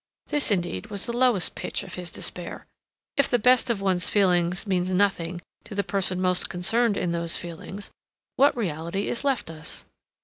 This, indeed, was the lowest pitch of his despair. If the best of one's feelings means nothing to the person most concerned in those feelings, what reality is left us?